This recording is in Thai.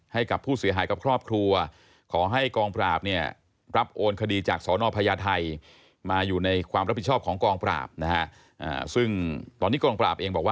ให้กับผู้เสียหายกับครอบครัว